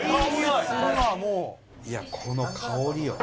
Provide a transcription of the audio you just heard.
いやこの香りよ。